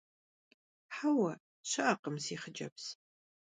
Хьэуэ, щыӏэкъым, си хъыджэбз.